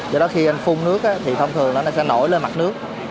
do đó khi anh phun nước thì thông thường nó sẽ nổi lên mặt nước